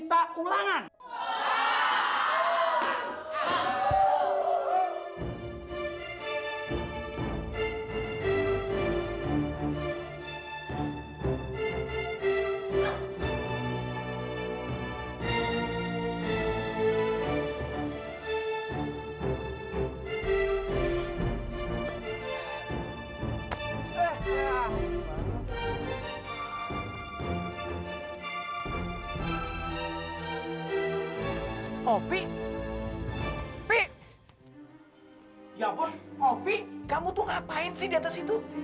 bawa aku ke atas